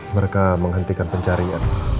mereka menghentikan pencarian